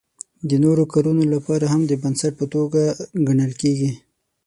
د نورو کارونو لپاره هم د بنسټ په توګه ګڼل کیږي.